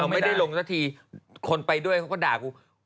ไม่ได้ลงสักทีคนไปด้วยเขาก็ด่ากู